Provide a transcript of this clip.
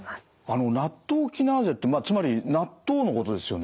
あのナットウキナーゼってまあつまり納豆のことですよね？